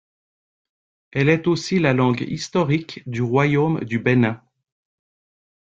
Elle est aussi la langue historique du royaume du Bénin.